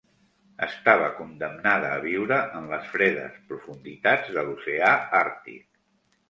Estava condemnada a viure en les fredes profunditats de l'oceà Àrtic.